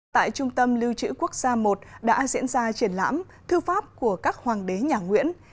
tại trung tâm lưu trữ quốc gia i đã diễn ra triển lãm thư pháp của các hoàng đế nhà nguyễn